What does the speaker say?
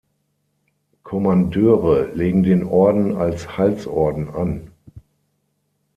Kommandeure legen den Orden als Halsorden an.